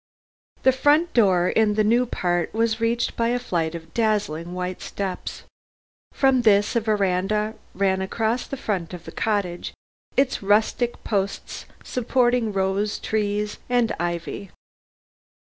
The front door in the new part was reached by a flight of dazzling white steps. From this, a veranda ran across the front of the cottage, its rustic posts supporting rose trees and ivy.